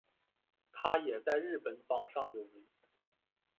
它也在日本榜上有名。